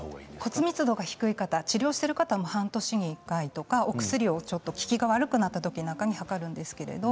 骨密度が低い方治療している方も半年に１回お薬の効きが悪くなった時などに測るんですけど